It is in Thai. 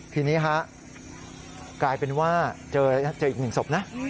ทีนี้ฮะกลายเป็นว่าเจออีกหนึ่งศพนะ